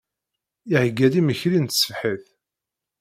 Iheyya-d imekli n tṣebḥit.